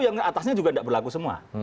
yang atasnya juga tidak berlaku semua